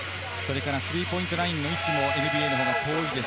スリーポイントラインの位置もＮＢＡのほうが遠いです。